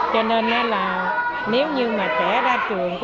cho nên là nếu như trẻ ra trường